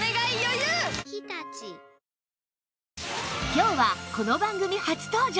今日はこの番組初登場！